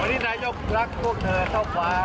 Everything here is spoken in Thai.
วันนี้พระยุจนโชฌานายกรัฐบันตรีโยชน์คำหวาน